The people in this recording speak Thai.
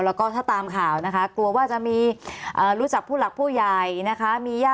แล้วก็ถ้าตามข่าวนะคะกลัวว่าจะมีรู้จักผู้หลักผู้ใหญ่นะคะ